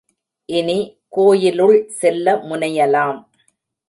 இனி, கோயிலுள் செல்ல முனையலாம்.